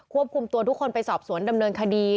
วบคุมตัวทุกคนไปสอบสวนดำเนินคดี